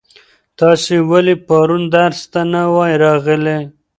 تاسو ولې پرون درس ته نه وای راغلي؟